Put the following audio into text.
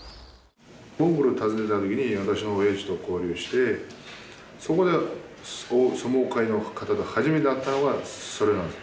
モンゴル訪ねた時に私の親父と交流してそこで相撲界の方と初めて会ったのがそれなんです。